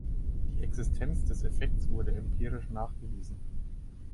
Die Existenz des Effektes wurde empirisch nachgewiesen.